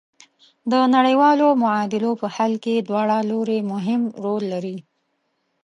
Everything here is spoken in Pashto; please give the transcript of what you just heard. د نړیوالو معادلو په حل کې دواړه لوري مهم رول لري.